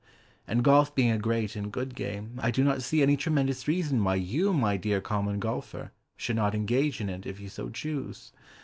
And golf being a great and good game I do not see any tremendous reason Why you, my dear Common Golfer, Should not engage in it if you so choose.